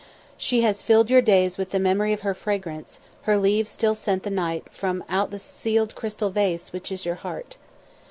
She has filled your days with the memory of her fragrance; her leaves still scent the night from out the sealed crystal vase which is your heart.